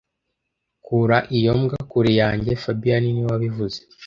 Kura iyo mbwa kure yanjye fabien niwe wabivuze